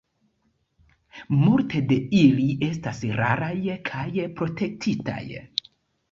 Multe de ili estas raraj kaj protektitaj.